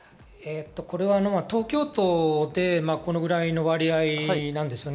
東京都でこのくらいの割合なんですよね。